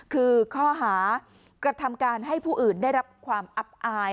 คือข้อหากระทำการให้ผู้อื่นได้รับความอับอาย